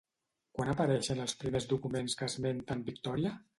Quan apareixen els primers documents que esmenten Victòria?